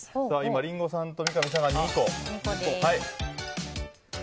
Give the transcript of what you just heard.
リンゴさんと三上さんが２個。